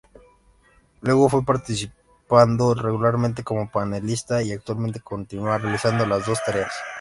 Luego fue participando regularmente como panelista y actualmente continua realizando las dos tareas.